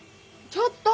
ちょっと！